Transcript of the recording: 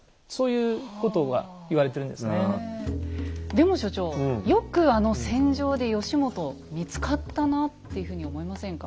でも所長よくあの戦場で義元見つかったなっていうふうに思いませんか？